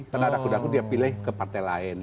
karena ragu ragu dia pilih ke partai lain